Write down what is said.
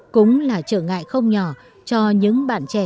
cũng là trở ngại không nhỏ cho những bạn trẻ